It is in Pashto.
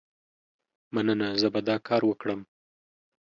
مننه، زه به دا کار وکړم.